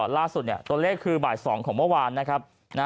ล่าสุดตัวเลขคือบ่าย๒ของเมื่อวานนะครับ